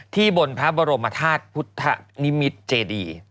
บนพระบรมธาตุพุทธนิมิตรเจดี